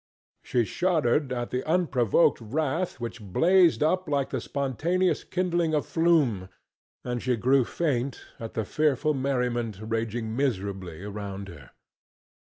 She shuddered at the unprovoked wrath which blazed up like the spontaneous kindling of flume, and she grew faint at the fearful merriment raging miserably around her.